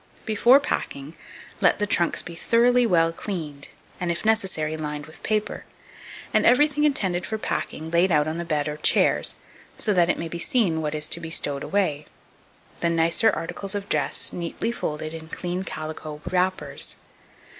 Before packing, let the trunks be thoroughly well cleaned, and, if necessary, lined with paper, and everything intended for packing laid out on the bed or chairs, so that it may be seen what is to be stowed away; the nicer articles of dress neatly folded in clean calico wrappers.